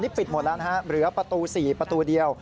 ปิดหมดแล้วนะฮะเหลือประตู๔ประตูเดียว